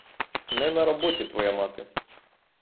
Не на роботі твоя мати!